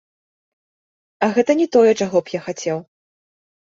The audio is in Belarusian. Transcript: А гэта не тое, чаго б я хацеў.